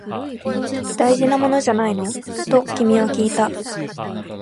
大事なものじゃないの？と君はきいた